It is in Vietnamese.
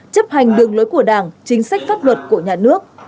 chấp hành đường lối của đảng chính sách pháp luật của nhà nước